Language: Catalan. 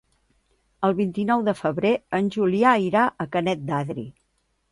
El vint-i-nou de febrer en Julià irà a Canet d'Adri.